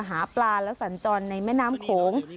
หาปลาและสัญจรในแม่น้ำโขง